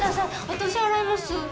私洗います